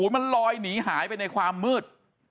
มันลอยหนีหายไปในความมืด